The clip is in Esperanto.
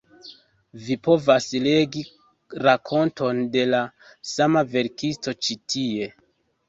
Vi povas legi rakonton de la sama verkisto ĉi tie.